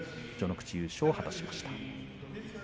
序ノ口優勝を果たしました。